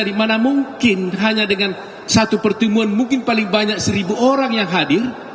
dimana mungkin hanya dengan satu pertemuan mungkin paling banyak seribu orang yang hadir